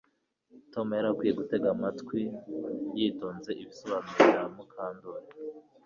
Tom yari akwiye gutega amatwi yitonze ibisobanuro bya Mukandoli